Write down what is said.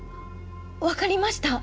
分かりました。